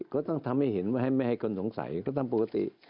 ก็ต้องทำให้เห็นว่าไม่ให้คนสงสัยก็ทำปกติ